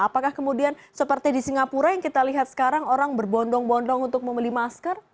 apakah kemudian seperti di singapura yang kita lihat sekarang orang berbondong bondong untuk membeli masker